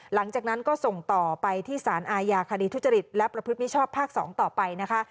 หลังจากนั้นก็ส่งต่อไปที่สารอาญาคดีทุจริตและประพฤติมิชชอบภาค๒ต่อไปนะคะ